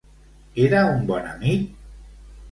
Era un bon amic?